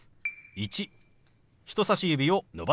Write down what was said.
「１」。